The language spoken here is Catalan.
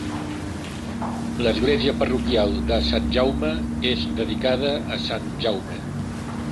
L'església parroquial de Sant Jaume és dedicada a Sant Jaume.